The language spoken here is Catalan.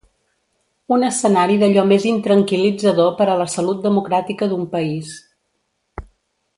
Un escenari d’allò més intranquil·litzador per a la salut democràtica d’un país.